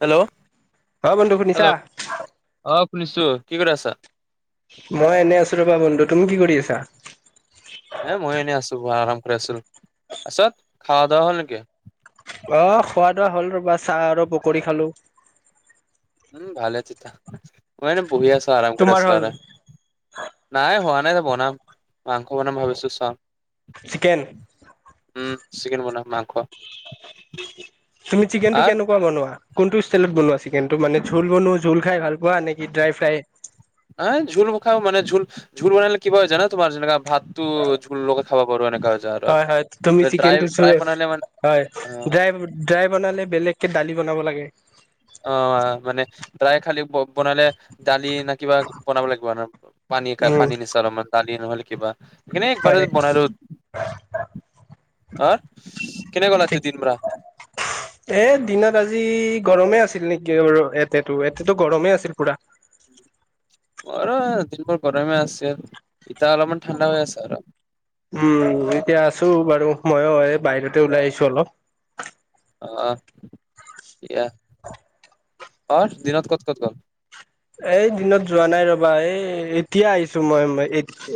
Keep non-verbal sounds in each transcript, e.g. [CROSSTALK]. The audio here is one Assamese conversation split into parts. হেল্ল, অ বন্ধু হেল্ল, শুনিছা অ, শুনিছোঁ কি কৰি আছা? মই এনে ৰবা, বন্ধু তুমি কি কৰি আছা? হে, মই এনেই আছোঁ, আৰাম কৰি আছোঁ ত, পাছত খাৱা বোৱা হ'ল নেকি? অ, খোৱা-লোৱা হ'ল ৰবা চাহ আৰু পকৰী খালো। উম, ভালেই মই এনেই আছোঁ, বহি আছোঁ, আৰাম কৰি তোমাৰ আছোঁ হ'ল আৰু নাই হোৱা নাই বনাম, মাংস বনাম ভাবিছোঁ চাওঁ। চিকেন। উম, চিকেন বনাম, মাংস তুমি চিকেনটো আৰ কেনেক কেনেকে বনোৱা, কোনটো ষ্টাইলত বনোৱা? চিকেনটো মানে জোল বনোৱা, জোল খাই ভাল পোৱা? নেকি ড্ৰাই ফ্ৰাই। অ, জোল খাও মানে, জোল। জোল বনালে কি হয় জানা, তোমাৰ, যেনেকৈ ভাতটো ঝোল লগাই খাব পাৰি, এনেকুৱা। হয়, হয়, তুমি চিকেনটো মানে চাইছা হয়, অ ড্ৰাই ড্ৰাই বনালে, বেলেগকৈ দালি বনাব লাগে। অ, মানে ড্ৰাই খালী, পক বনালে। দালি নে, কিবা বনাব লাগিব, উম পানী-পানী নিচিনা অলপমান দালি, নহ'লে কিবা। হয় [UNINTELLIGIBLE] উ, এই দিনত আজি গৰমে আছিলে আৰু নেকি বাৰু, এয়াতেটো, এয়াতেটো গৰমে আছিলে পোৰা। অ, দিনবোৰ গৰমেই আছিল, এতিয়া অলপমান ঠাণ্ডা হৈ আছে আৰু। উম, এতিয়া আছোঁ, বাৰু ময়ো এই বাহিৰতে ওলাই আহিছো অলপ। অ, দিয়া। অ, দিনত ক'ত ক'ত‌ গ'ল? এই দিনত যোৱা নাই ৰবা, এই এতিয়া আহিছোঁ। মই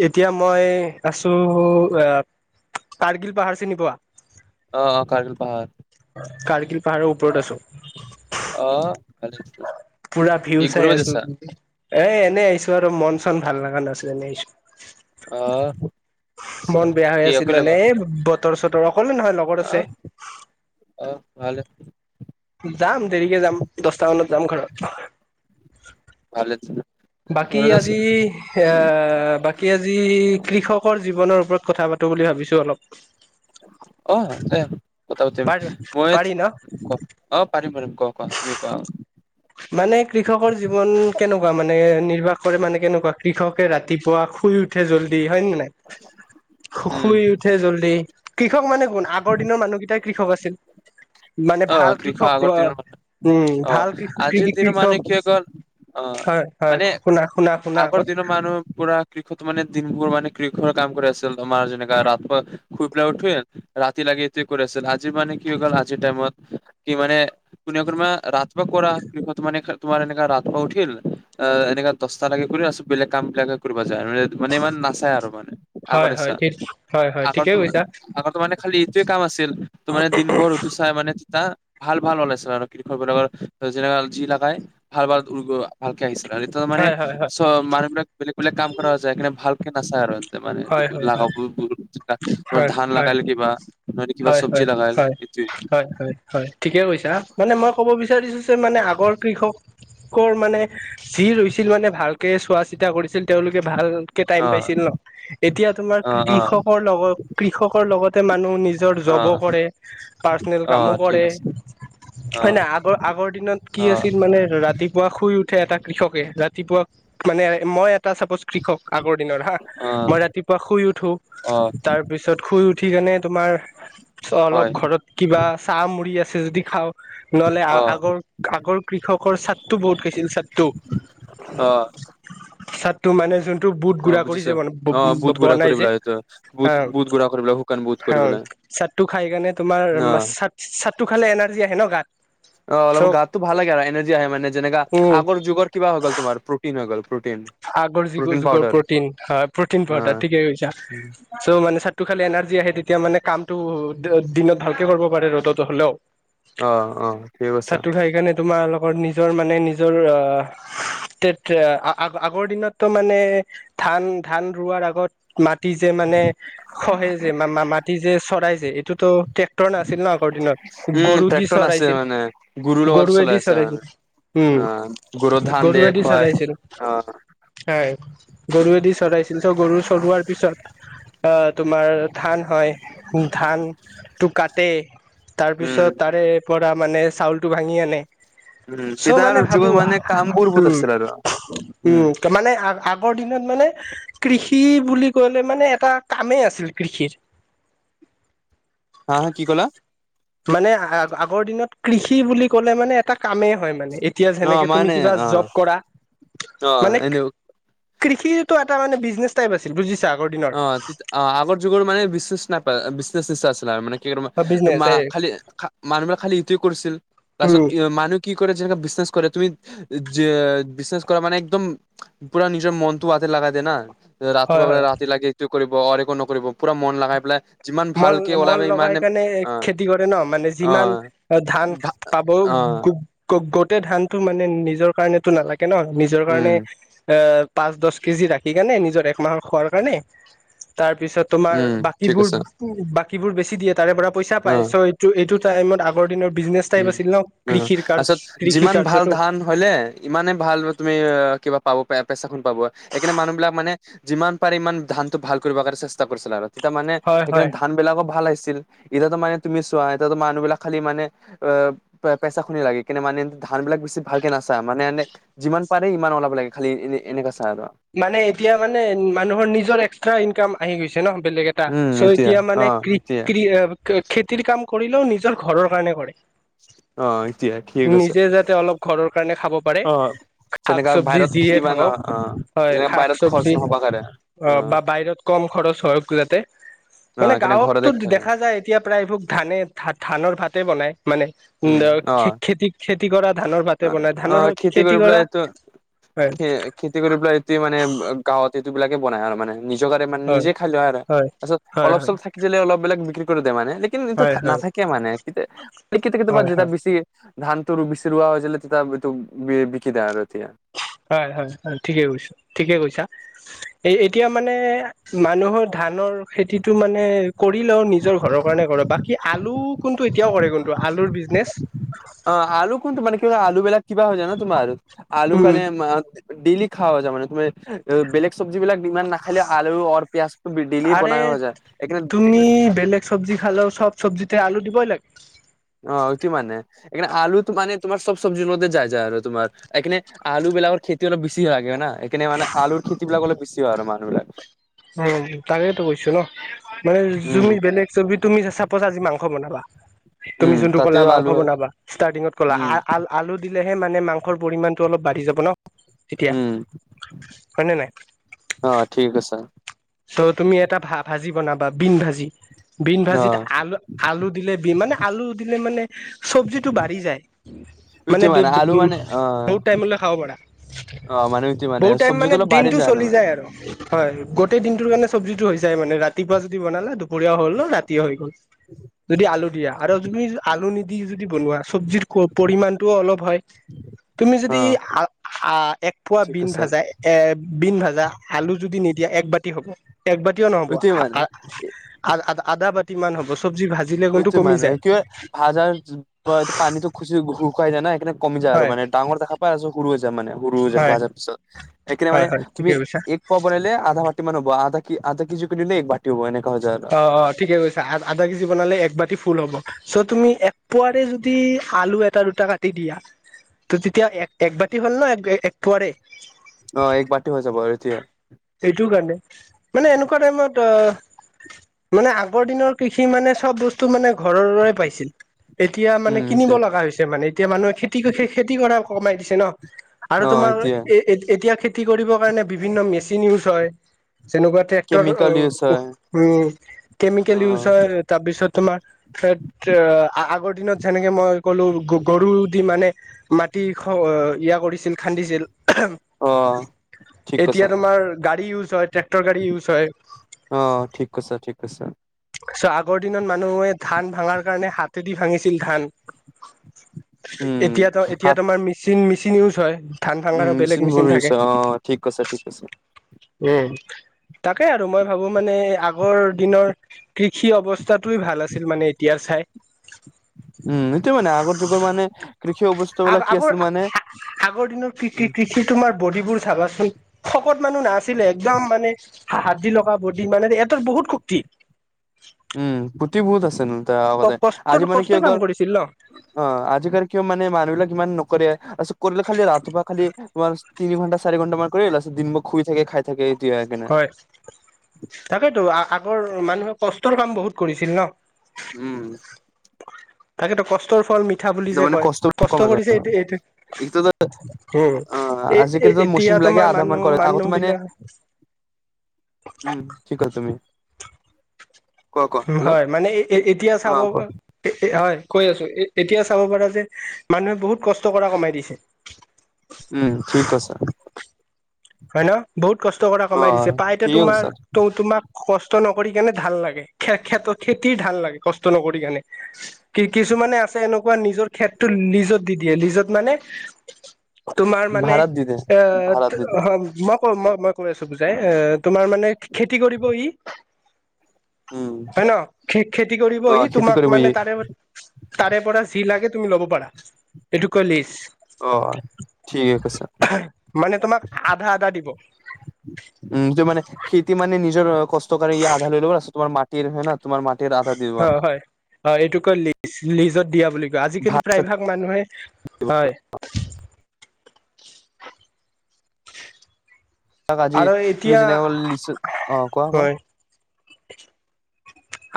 এতিয়া মই আছোঁ, এই কাৰ্গিল পাহাৰ চিনি পোৱা? অ, কাৰ্গিৰ পাহাৰ। কাৰ্গিল পাহাৰৰ ওপৰত আছোঁ। অ ভালে পুৰা ভিউ কি চাই ঘূৰিব আছো যাইছা এ এনেই আইছো আৰু মন ভাল লাগা নাছিল এনেই আইছো অ আচ্ছা মন বেয়া হৈ কি আছিল অকলে গ'ল এনে- বতৰ চতৰ অকলে নহয় লগ আহ অহ ভালে যাম দেৰিকে যাম দচটা মানত যাম ঘৰত ভালে আছানে বাকী আজি এ বাকী আজি কৃষকৰ জীৱনৰ ওপৰত কথা পাতো বুলি ভাবিছোঁ অলপ অহ দে কথা পাতিম পাৰ মই পাৰি ন ক অ পাতিম পাতিম কোৱা কোৱা তুমি কোৱা অ মানে কৃষকৰ জীৱন কেনেকুৱা মানে নিৰ্বাহ কৰে মানে কেনেকুৱা কৃষকে ৰাতিপুৱা শুই উ ঠে জল্দি হয় নে নাই শু উম শুই উঠে জল্দি কৃষক মানে কোন আগৰ দিনৰ মানুহকেইটাক কৃষক আছিল মানে অ ভাল কৃষা কৃষক আগৰ অ দিনৰ মানে উম অ ভাল কৃষ আজিৰ কৃকি দিনৰ মানে কৃষক কি হৈ গ'ল অ হয় হয় শুনা শুনা শুনা আগত আৰু পুৰা কৃষক মানে দিনভৰ কৃষৰ কাম কৰে আছল আমাৰ যেনেকা ৰাতপুৱা শুই পেলাই উঠোৱে ৰাতি লাগি এইটোৱে কৰি আছিল আজি মানে কি হৈ গ'ল আজিৰ টাইমত কি মানে কোনে কোনবা ৰাতপুৱা কৰা কৃষত মানে তোমাৰ এনেকা ৰাতপুৱা উঠিল এহ এনেকা দচটালেকে কৰি তাপিছত বেলেগ কাম বিলাকে কৰিব যায় আৰু মানে ইমান নাচায় আৰু মানে হয় আগতে হয় চা ঠিক হয় হয় আগতৰ ত ঠিকেই কৈছা আগতে খালি এইটোৱে কাম আছিল ত মানে দিনভৰ তুচ তাই মানে তেতা ভাল ভাল ওলাইছে আৰু কৃষকবিলাকৰ অৰ্জিনাল যি লাগাই ভাল ভাল [UNINTELLIGIBLE] আহিছা এতিয়া মানে হয় হয় হয় চ মানুহ বিলাক বেলেগ বেলেগ কাম কৰাও যায় সেকাৰণে ভালকে নাচায় আৰু এইটো মানে হয় [UNINTELLIGIBLE] হয় লাগালে হয় [UNINTELLIGIBLE] হয় ধান হয় লাগালে কিবা নহলে কিবা হয় চব্জি হয় লগাইল হয় এইটোৱে হয় হয় হয় ঠিকে কৈছা মানে মই ক'ব বিচাৰিছো যে মানে আগৰ কৃষক কৰ মানে যি ৰুইছিল মানে ভালকে চোৱা চিতা কৰিছিল তেওঁলোকে ভাল কে টাইম অ পাইছিল ন এতিয়া তোমাৰ অ অ কৃষকৰ লগত কৃষকৰ লগতে মানুহ নিজ জৰ অ জবো কৰে পাৰ্চনেল অ কামো ঠিক কৰে আছে অ হয় নাই আগৰ আগৰ দিনত কি অ আছিল মানে ৰাতি পুৱা শুই উঠে এটা কৃষকে ৰাতিপুৱা মানে মই এটা চাপ'ছ কৃষক আগৰ দিনৰ হা অ মই ৰাতিপুৱা শুই উঠো অ তাৰপিছত শুই উঠি কেনে তোমাৰ হয় অলপ ঘৰত কিবা চাহ মুড়ি আছে যদি খাওঁ নহলে অ আগৰ আগৰ কৃষকৰ চাট্টু বহুত খাইছিল চাট্টু অ চাট্টু মানে যোনটো বুট অ গুৰা কৰিজে বুজিছো মানে ব- অ বুট ব- গুড়া বনাই কৰি যে পেলাই এইটো বুট হা বুট গুড়া কৰি পেলাই শুকান বুট কৰি হা পেলাই চাট্টু খাই কেণে তোমাৰ মা অ', চা চাট্টু খালে এনাৰ্জি আহে ন গাত অ অলপ চ' গাতটো ভাল লাগে আৰু এনাৰ্জি আহে মানে যেনেকা উম আগৰ যুগৰ কিবা হৈ' গল তোমাৰ প্ৰটিন হৈ গল প্ৰটিন আগৰ যিগৰ প্ৰটিন যুগৰ পাউদাৰ প্ৰটিন হয় প্ৰটিন পাউদাৰ অ', ঠিকে কৈছা চ' মানে চাট্টু খালে এনাৰ্জি আহে তেতিয়া মানে কামটো দি দিনত ভালকে কৰব পাৰে ৰ'দতো হলেও অ', অ', ঠিক আছে চাট্টু খাই কেণে তোমাৰ লগৰ নি জৰ মানে নিজৰ অ টেট তে আ আগ-আগৰ দিনতো মানে, ধান-ধান ৰোৱাৰ আগত মাটি যে মানে খহে যে, মা-মাটি যে চৰায় যে এইটোতো ট্ৰেক্ট টৰ নাছিল ন আগৰ দিনত, উম, গৰু দি ট্ৰেক্টৰ আছে চৰাইছিল। মানে গৰুৰ লগত চলাই গৰুৱেদি আছে মানে চৰাইছিল। উম, গৰুৱেদি চৰাইছিল। অহ'। হয়। গৰুৱেদি চৰাইছিল, চ' গৰু চৰুৱাৰ পিছত আহ তোমাৰ ধান হয়, ধানটো কাটে। তাৰ উম, পিছত তাৰে পৰা মানে, চাউলটো ভাঙি আনে। উম, চ' মানে তেতিয়াৰ ভাবো যুগত মানে কামবোৰ বহুত উম আছিল আৰু। উম, তাৰমানে আগ আগ আগৰ দিনত মানে কৃষি বুলি ক'লে মানে, এটা কামেই আছিল কৃষিৰ। হা হা কি ক'লা? মানে আ-আগৰ দিনত কৃষি বুলি ক'লে মানে, এটা কামেই হয় মানে, এ এতিয়া অ', যেনেকে তুমি মানে কিবা অ', জব কৰা, অ', মানে এনে কৃষিটো এটা মানে বিজনেচ টাইপ আছিল বুজিছা, আগৰ দিনৰ। আ-আগৰ যুগৰ মানে বিজনেছ নাপায়, বিজনেছিছে আছিলে মানে। অ [INAUDIBLE] বিজনেচ মা এই খালি খা, মানুহবিলাক খালি ইটোৱে কৰিছিল, তাৰপাছত উম কি হ'ল মানুহ কি কৰে যেনে বিজনেছ কৰে, তুমি যে বিজনেছ কৰা মানে একদম পুৰা নিজৰ মনটো হাতে লগাই দে না। ৰাতিপুৱা হয় বোলে হয় ৰাতি লাগি এটো কৰিব, আৰু একো নকৰিব। পোৰা মন লগাই পেলাই যিমান মন ভালকে ওলাব মন লগাই ইমানে কাৰণে অ খেতি কৰে ন, মানে অ যিমান ধান ভা ল পাব অ গোট গ-গোটেই ধানটো মানে নিজৰ কৰণেটো নালাগে ন, নিজৰ কাৰণে উম এ পাঁচ দছ কেজি ৰাখি কেনে, নিজৰ একমাহৰ খোৱাৰ কাৰণে, তাৰ পিছত তোমাৰ উম ঠিক বাকীবোৰ আছে উম, বাকী বোৰ বেছি দিয়ে তাৰে পৰা পইচা পায়। অ চ' এইটো, এইটো টাইমত আগৰ দিনৰ বিজনেচ টাইপ উম, আছিল ন, অ, কৃষিৰ কাৰ তাৰপিছত যিমান ভাল কৃষিকাৰ্যতো। ধান হ'লে ইমানে ভাল তুমি কিবা পাব পাব, এ পেচাখন পাব। এইকাৰণে মানুহবিলাক মানে যিমান পাৰে ইমান ধানটো ভাল কৰিব কাৰণে চেষ্টা কৰিছিল আৰু। তেতিয়া মানে হয় সেইকাৰণে হয় ধান বিলাকো ভাল আহিছিল, এতিয়াতো মানে তুমি চোৱা এতিয়াতো মানুহবিলাক খালি মানে অ' পে-পেচা খিনি লাগে, কিন্তু মানে ধানবিলাক বেছি ভালকে নাচায় মানে এনে যিমান পাৰে সিমান ওলাব লাগে খালি, এনে এনেকা চাই আৰু। মানে এতিয়া মানে, মানুহৰ নিজৰ এক্সট্ৰা ইনকাম আহি গৈছে ন বেলেগ এট টাম উম, চ' এতিয়া অ, মানে এতিয়া কৃ-কৃ, আ খেতিৰ কাম কৰিলেও নিজৰ ঘৰৰ কাৰণে কৰে। অ, এতিয়া ঠিক আছে নিজে যাতে অলপ ঘৰৰ কাৰণে খাব পাৰে। অ, যেনেকা শাক-চবজি বাহিৰত যিয়ে খেলিবা ন থাকক, অ, হয় যেনেকা শাক বাহিৰত খৰচ চবজি নহ'ব কাৰে অ' বা বাহিৰত কম খৰচ হওক যাতে, অ মানে সেইকাৰণে গাঁৱততো ঘৰতে খেলে দেখা যায়। এতিয়া প্ৰায়ভোক ধানে, ধা-ধানৰ ভাতে বনাই মানে উম, খে-খেতি খেতি কৰা ধানৰ ভাতে বনাই অ ধানৰ, কৰি খেতি পেলাই কৰা এইটো খে হয়। খেতি কৰি পেলাই এইটো মানে, গাঁৱত এইটো বিলাকে বনাই আৰু মানে। নিজৰ কাৰণে মানে, হয় নিজে খাই লোৱা আৰু। হয় তাৰপিছত হয় হয় অলপ-চলপ থাকি যালে অলপ বিলাক বিক্ৰী কৰি দে মানে কিন্তু এতিয়া হয় থা হয় নাথাকে মানে কিতে, কেতি কেতিয়াবা হয় যেতিয়া বেছি ধানটো বেছি ৰোৱা হয় তেতিয়া এইটো [INAUDIBLE] বি-বিকি দে আৰু এতিয়া। হয়, হয়, হয় ঠিকে কৈছা, ঠিকে কৈছা। এ-এতিয়া মানে মানুহৰ ধানৰ খেতিটো মানে কৰিলেও নিজৰ ঘৰৰ কাৰণে কৰে, বাকী আলু কোনটো এতিয়াও কৰে কোনটো আলুৰ বিজনেচ। অ' আলু কোনটো মানে কি আলু বিলাক কিবা হৈ যায় ন, তোমাৰ আলুৰ উম কাৰণে ডেইেলি খাৱা যায় মানে, তুমি বেলেগ চব্জিবিলাক ইমান নাখালে আলু আৰু পিয়াজটো ডেইেলি আৰে বনাই খোৱা যায়। সেইকাৰণে তুমি বেলেগ চব্জি খালেও চব চব্জিতে আলু দিবই লাগে। অ', এইটো মানে এই কাৰনে আলু মানে তোমাৰ চব চব্জিৰ মধ্যে যায় যায় আৰু তোমাৰ। এইকাৰনে আলু বিলাকৰ খেতি অলপ বেছি লাগে না, এইকাৰনে মানে আলুৰ খেতি বিলাক অলপ বেছি হয় আৰু। মানুহবিলাক উম, তাকেইতো কৈছো ন, মানে উম জুমি বেলেগ চবি তুমি চাপচ আজি মাংস বনাবা তুমি উম যোনটো ক'লা তাতেও মাংস আলু হয় বনাবা ষ্টাৰ্টিঙত ক'লা। উম আ আ আলু দিলেহে মানে মাংসৰ পৰিমাণটো অলপ বাঢ়ি যাব ন তেতিয়া উম হয়নে নাই? অ', ঠিক আছে। চ' তুমি এটা ভা ভাজি বনাবা বীন ভাজি, বীন অ ভাজিত আলু আলু দিলে বি মানে আলু দিলে মানে চব্জিটো বাঢ়ি যায়। মানে ইটো উ আলু মানে অ বহুত টাইমলৈ খাব পাৰা। অ মানে ইটো বহুত টাইম চব্জিটো মানে অলপ বাঢ়ি দিনতটো চলি মানে যায় আৰু। হয়। গোটেই দিনটোৰ কাৰণে চব্জিতটো হৈ যায় মানে ৰাতিপুৱা যদি বনালে দুপৰীয়া হ'ল ৰাতিয়ে হৈ গ'ল। যদি আলু দিয়া। আৰু তুমি আলু নিদি যদি বনোৱা চব্জিৰ পৰিমাণটোও অলপ হয়, তুমি অ যদি এক পোৱা ঠিক বিন কৈছা ভাজা। এ বিন ভাজা আলু যদি নিদিয়া এক বাতি হ'ব। এক বাতিও নহব ইটোৱে মানে আধা বাতি মান হ'ব, চব্জি ভাজিলে কিন্তু এইটো কমি মানে যায়। কিয় ভাজাৰ পানিতো খু শুকুৱাই যায় না সেই কাৰনে কমি যায় আৰু, হয় মানে ডাঙৰ দেখা পাই আছো সৰু হৈ যায় মানে সৰু হৈ যাব হয় ভজাৰ পিছত। এইকাৰণে হয় মানে হয় তুমি ঠিকে কৈছা এক পোৱা বনালে আধা বাটি মান হ'ব, আধা আধা কেজি কৰিলে এক বাতি হ'ব। এনে অ', অ' ঠিকে কৈছা। আ আধা কেজি বনালে একবতি ফুল হ'ব। চ' তুমি একপোৱাৰে যদি আলু এটা দুটা কাটি দিয়া। ত' তেতিয়া এক এক বাতি হ'ল না এক পোৱাৰে। অ', এক বাটি হৈ যাব তেতিয়া। এইটো কাৰণে, মানে এনেকুৱা টাইমত অ' মানে আগৰ দিনৰ কৃষি মানে চব বস্তু মানে ঘৰৰে পাইছিল। এতিয়া মানে উম কিনিব এতিয়া লগা হৈছে মানে, এতিয়া মানুহে খেতি খেতি কৰা কমাই দিছে ন। আৰু অ তোমাৰ এতিয়া এতিয়া খেতি কৰিবৰ কাৰণে বিভিন্ন মেচিন ইউজ হয়। যেনেকুৱা ট্ৰেক্টৰ কেমিকেল ইউজ হয় উ অ কেমিকেল ইউছ হয়। তাৰপিছত তোমাৰ ত' আগৰ দিনত যেনেকে মই ক'লো গৰু দি মানে মাটি ইয়া কৰিছিল খান্দিছিল। অঁ, ঠিক এতিয়া কৈছা। তোমাৰ গাড়ী ইউজ হয় ট্ৰেক্টৰ গাড়ী ইউজ হয়। অ', ঠিক কৈছা ঠিক কৈছা। চ' আগৰ দিনত মানুহে ধান ভাঙাৰ কাৰণে হাতেদি ভাঙিছিল ধান। উম এতিয়া তো এতিয়া হাত তোমাৰ মেচিন মেচিন ইউজ হয়। ধান উম, ভাঙাৰো বেলেগ মেচিন বোৰ ইউজ থাকে হয়, অ ঠিক কৈছা ঠিক কৈছা। উম, তাকে আৰু মই ভাবো মানে আগৰ দিনৰ কৃষি অৱস্থাতোয়ে ভাল আছিল মানে এতিয়া চাই। উম, সেইটোয় মানে আগৰ যুগৰ মানে কৃষি আগ অৱস্থাবিলাক কি আগৰ আছিল মানে আগৰ দিনৰ কৃ উম কৃষি তোমাৰ বডিবোৰ চাবাচোন। শকত মানুহ নাছিলে একদম মানে হাড়ি লগা বদি মানে এটা বহুত শক্তি। উম শক্তি বহুত আছে ন তাৰ আগতে কষ্টৰ আজি মানে কি কষ্টৰ হৈ কাম গ'ল কৰিছিল ন অ আজিকালি কিয় মানে মানুহ বিলাক ইমান নকৰে আ কৰিলে খালি ৰাতিপুৱা খালি তোমাৰ তিনি ঘণ্টা চাৰি ঘণ্টা মান কৰি তাৰপিছত দিনভৰ শুই থাকে খাই থাকে। এইটোৱে সেইকাৰণে হয় তাকেইতো আগৰ মানুহে কষ্টৰ কাম বহুত কৰিছিল ন। উম। তাকেইতো কষ্টৰ ফল মিঠা বুলি তাৰ যে মানে কয় কম কষ্ট হৈ গ'ল কৰিছে এইটো এইটোতো এইটো উম অ এ এ আজিকালিতো মেচিন এতিয়া বিলাকে তোমাৰ আধা মান মানুহ কৰে আগতে মানুহ মানে বিলাক উম, ঠিক ক'লা তুমি। কোৱা কোৱা হেল্ল' হয়। মানে এতিয়া অ চাব কোৱা হয়। কৈআছো এতিয়া চাব পাৰা যে মানুহে বহুত কষ্ট কৰা কমাই দিছে। উম ঠিক কৈছা। হয় ন? বহুত কষ্ট কৰা অ কমাই দিছে, প্ৰায় এতিয়া ঠিকে কৈছা তোমাৰ তোমাক কষ্ট নকৰি কেনে ধান লাগে খ খেতিৰ ধান লাগে, কষ্ট নকৰি কেনে। কি কিছুমানে আছে এনেকুৱা নিজৰ খেতটো লিজত দি দিয়ে। লিজত মানে তোমাৰ মানে ভাড়াত দি দে এ ভাড়াত তো দি দে অ মই ক মই মই কৈ আছো বুজাই, তোমাৰ মানে খেতি কৰিব ই উম হয় ন? খে খেতি কৰিব অ ই খেতি তোমাক কৰিব ই মানে তাৰে তাৰে পৰা যি লাগে তুমি ল'ব পাৰা, এইটো কয় লিজ। অ ঠিকে কৈছা মানে তোমাক আধা আধা দিব। উম সেইটো মানে খেতি মানে নিজৰ কষ্টকাৰে ই আধা লৈ ল'ব, লিজ তোমাৰ মাটি ৰ হয় ন তোমাৰ মাটিৰ আধা দি দিব। অ' হয়, হয় এইটো কয় লিজ, লিজত দিয়া বুলি কয়। আজিকালি ভাত চাত প্ৰায়ভাগ মানুহে, হয় তাক আজি আৰু তুমি এতিয়া যেনেকে ক'লা লিজত, অ কোৱা কোৱা? হয়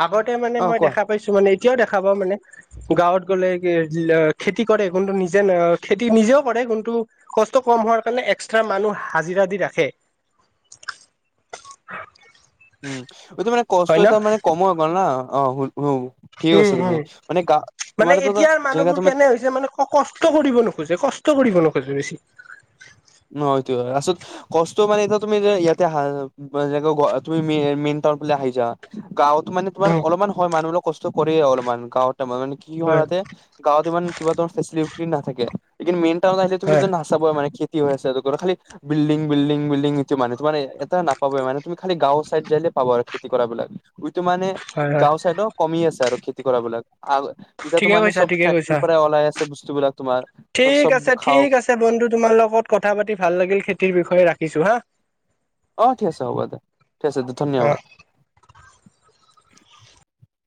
আগতে মানে অ' মই কোৱা দেখা পাইছো মানে এতিয়াও দেখা পাওঁ মানে গাঁৱত গ'লে কি ল খেতি কৰে নিজেও কৰে কোনটো কষ্ট কম হোৱাৰ কাৰণে এক্সট্ৰা মানুহ হাজিৰা দি ৰাখে। উম, এতিয়া মানে কষ্ট হয় ন এটা মানে কমো হয় লগ অ হু। ঠিক উম কৈছা তুমি। উম। মানে গা তোমাৰ তাতে যেনেকে তুমি অ' কষ্ট কৰিব নোখোজে কষ্ট কৰিব নোখোজে বেছি। নহয় টো আচ কষ্ট মানে এতিয়া তুমি যে ইয়াতে আহ যেনেক তুমি মেই মেইন টাউন ফালে আহি যা। গাঁৱতো মানে তোমাৰ অলপমান হয়, মানুহবিলাক কষ্ট কৰিয়ে অলপমান গাঁৱত মানে কি হয় মাতে গাঁৱত ইমান কিবা ফেচিলিট নাথাকে, মেইন টাউনত আহিলে তুমি হয় নাচাবই মানে কি হৈ আছে, খালি বিল্ডিং বিল্ডিং বিল্ডিং এতিয়া মানে তোমাৰে নাপাব মানে তুমি, খালি গাঁও চাইড আহিলে পাবা আৰু খেতি কৰা বিলাক। টো মানে হয় গাঁও চাইডক কমি আছে আৰু খেতি কৰা বিলাক, এতিয়াতো ঠিকে মানে কৈছা চব ঠিকে ফেক্টৰীৰ কৈছা পৰাই ওলাই আছে বস্তু বিলাক। তোমাৰ ঠিক চব আছে খাওঁ ঠিক আছে বন্ধু তোমাৰ লগত কথা পাতি ভাল লাগিল খেতিৰ বিষয়ে ৰাখিছো হা। অঁ ঠিক আছে হ'ব দে, ঠিক আছে দে অ ধন্যবাদ।